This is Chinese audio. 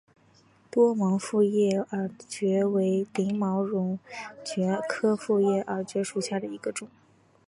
多芒复叶耳蕨为鳞毛蕨科复叶耳蕨属下的一个种。